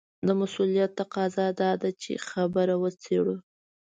د مسووليت تقاضا دا ده چې خبره وڅېړو.